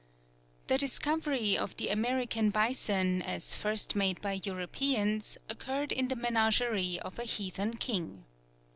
The discovery of the American bison, as first made by Europeans, occurred in the menagerie of a heathen king.